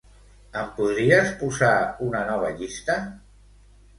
Em podries posar una nova llista?